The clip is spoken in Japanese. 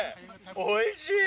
おいしい。